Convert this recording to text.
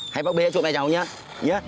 hãy bác bê cho chụp mẹ cháu nhé